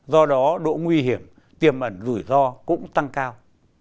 do đó độ nguy hiểm tiềm ẩn rủi ro cũng tăng cao